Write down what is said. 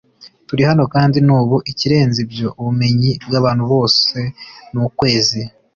turi hano kandi ni ubu. ikirenze ibyo, ubumenyi bw'abantu bwose ni ukwezi